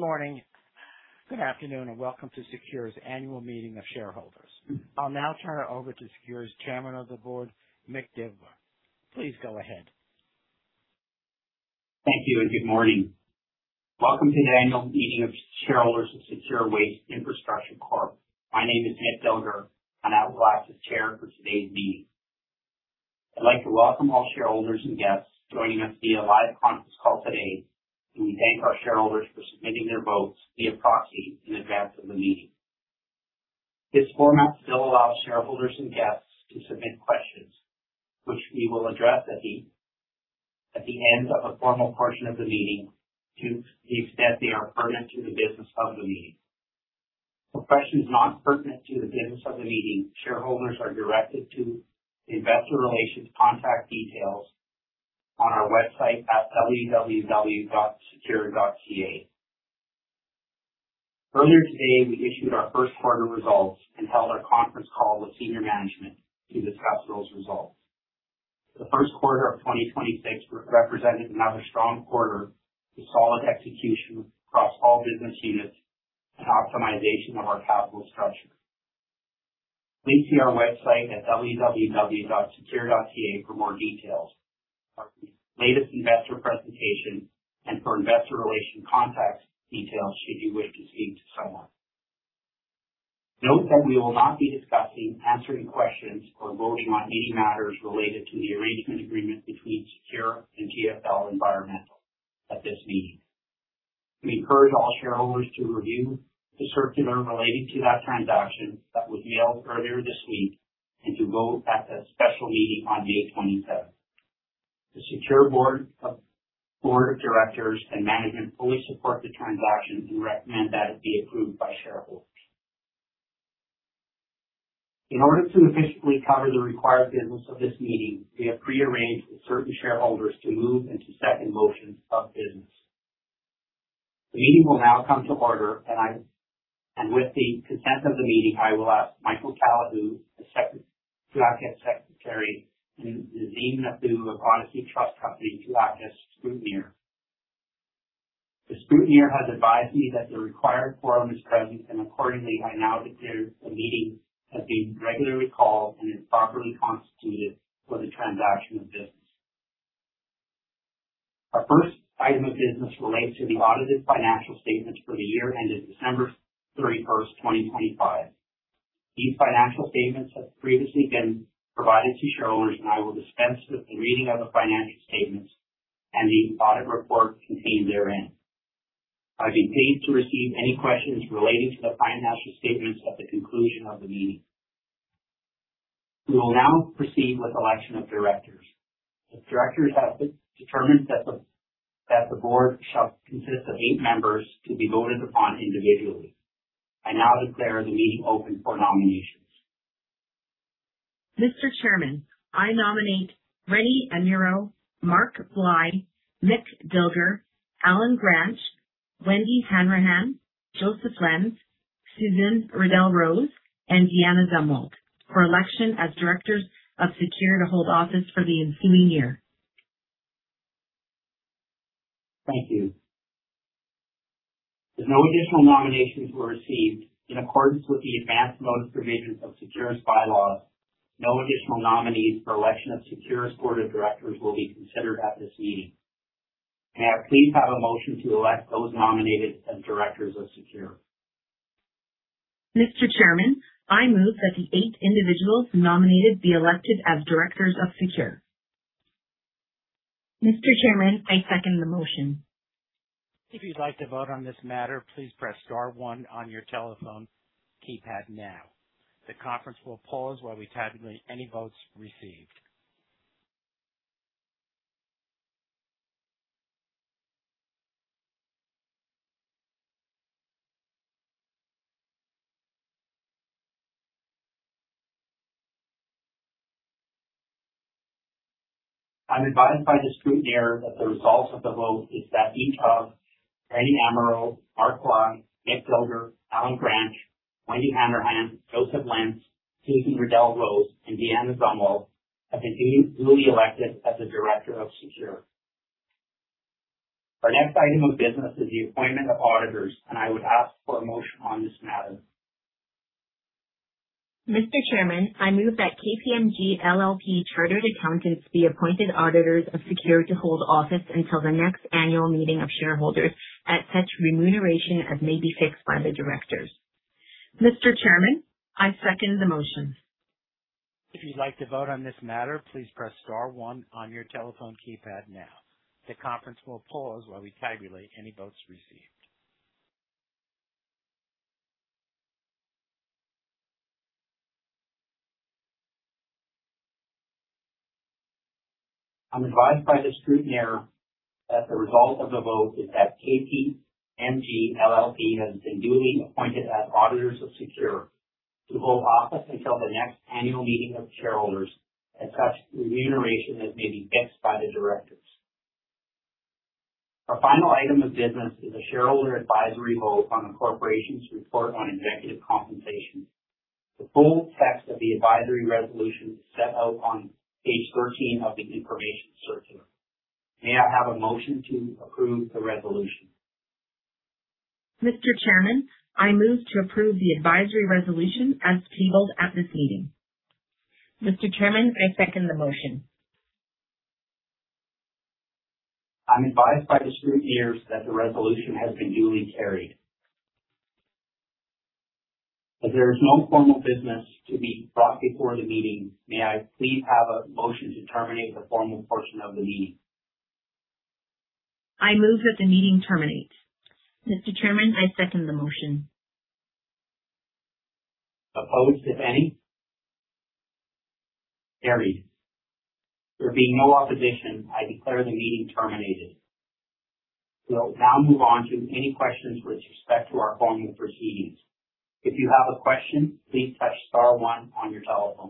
Good morning, good afternoon, and welcome to SECURE's annual meeting of shareholders. I'll now turn it over to SECURE's Chairman of the Board, Mick Dilger. Please go ahead. Thank you and good morning. Welcome to the annual meeting of shareholders of SECURE Waste Infrastructure Corp. My name is Mick Dilger, and I will act as chair for today's meeting. I'd like to welcome all shareholders and guests joining us via live conference call today, and we thank our shareholders for submitting their votes via proxy in advance of the meeting. This format still allows shareholders and guests to submit questions which we will address at the end of the formal portion of the meeting to the extent they are pertinent to the business of the meeting. For questions not pertinent to the business of the meeting, shareholders are directed to the investor relations contact details on our website at www.secure-energy.com. Earlier today, we issued our first quarter results and held our conference call with senior management to discuss those results. The first quarter of 2026 re-represented another strong quarter with solid execution across all business units and optimization of our capital structure. Please see our website at www.secure-energy.com for more details, our latest investor presentation, and for investor relation contact details should you wish to speak to someone. Note that we will not be discussing, answering questions, or voting on any matters related to the arrangement agreement between SECURE and GFL Environmental at this meeting. We encourage all shareholders to review the circular relating to that transaction that was mailed earlier this week and to vote at the special meeting on May 27th. The SECURE board of directors and management fully support the transaction and recommend that it be approved by shareholders. In order to efficiently cover the required business of this meeting, we have pre-arranged with certain shareholders to move into second motions of business. The meeting will now come to order, and with the consent of the meeting, I will ask Michael Callihoo to act as secretary, and Nadine Abdo of Odyssey Trust Company to act as scrutineer. The scrutineer has advised me that the required quorum is present, and accordingly, I now declare the meeting has been regularly called and is properly constituted for the transaction of business. Our first item of business relates to the audited financial statements for the year ended December 31st, 2025. These financial statements have previously been provided to shareholders, and I will dispense with the reading of the financial statements and the audit report contained therein. I continue to receive any questions relating to the financial statements at the conclusion of the meeting. We will now proceed with election of directors. The directors have determined that the board shall consist of eight members to be voted upon individually. I now declare the meeting open for nominations. Mr. Chairman, I nominate Rene Amirault, Mark Bly, Mick Dilger, Allen Gransch, Wendy Hanrahan, Joseph Lenz, Sue Riddell Rose, and Deanna Zumwalt for election as directors of SECURE to hold office for the ensuing year. Thank you. As no additional nominations were received, in accordance with the advanced notice provisions of SECURE's bylaws, no additional nominees for election of SECURE's board of directors will be considered at this meeting. May I please have a motion to elect those nominated as directors of SECURE. Mr. Chairman, I move that the eight individuals nominated be elected as directors of SECURE. Mr. Chairman, I second the motion. If you'd like to vote on this matter, please press star one on your telephone keypad now. The conference will pause while we tabulate any votes received. I'm advised by the scrutineer that the results of the vote is that each of Rene Amirault, Mark Bly, Mick Dilger, Allen Gransch, Wendy Hanrahan, Joseph Lenz, Sue Riddell Rose, and Deanna Zumwalt have been duly elected as a director of SECURE. Our next item of business is the appointment of auditors. I would ask for a motion on this matter. Mr. Chairman, I move that KPMG LLP Chartered Accountants be appointed auditors of SECURE to hold office until the next annual meeting of shareholders at such remuneration as may be fixed by the directors. Mr. Chairman, I second the motion. If you'd like to vote on this matter, please press star one on your telephone keypad now. The conference will pause while we tabulate any votes received. I'm advised by the scrutineer that the result of the vote is that KPMG LLP has been duly appointed as auditors of SECURE to hold office until the next annual meeting of shareholders at such remuneration as may be fixed by the directors. Our final item of business is a shareholder advisory vote on the corporation's report on executive compensation. The full text of the advisory resolution is set out on page 13 of the information circular. May I have a motion to approve the resolution? Mr. Chairman, I move to approve the advisory resolution as tabled at this meeting. Mr. Chairman, I second the motion. I'm advised by the scrutineers that the resolution has been duly carried. There is no formal business to be brought before the meeting, may I please have a motion to terminate the formal portion of the meeting? I move that the meeting terminate. Mr. Chairman, I second the motion. Opposed, if any? Carried. There being no opposition, I declare the meeting terminated. We'll now move on to any questions with respect to our formal proceedings. If you have a question, please press star one on your telephone.